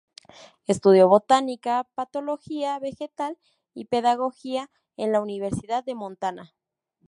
Estudió botánica, patología vegetal y pedagogía en la Universidad de Montana.